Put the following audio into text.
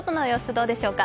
どうでしょうか